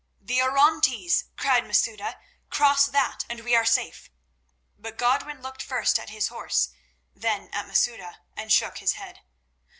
"The Orontes!" cried Masouda. "Cross that, and we are safe." But Godwin looked first at his horse, then at Masouda, and shook his head.